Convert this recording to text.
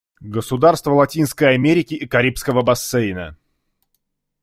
Государства Латинской Америки и Карибского бассейна.